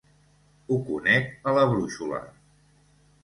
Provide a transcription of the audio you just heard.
Ho conec a la brúixola.